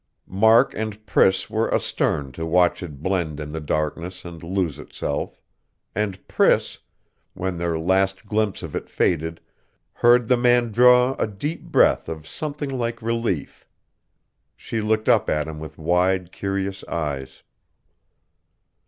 Mark and Priss were astern to watch it blend in the darkness and lose itself; and Priss, when their last glimpse of it faded, heard the man draw a deep breath of something like relief. She looked up at him with wide, curious eyes.